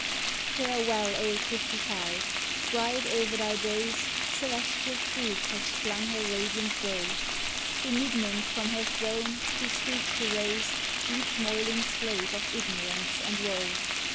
Farewell, old Fifty five! bright o'er thy days, Celestial truth has flung her radiant bow; Benignant from her throne she stoops to raise Each moiling slave of ignorance and woe.